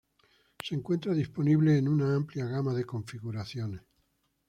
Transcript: Se encuentra disponible en una amplia gama de configuraciones.